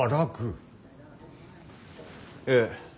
ええ。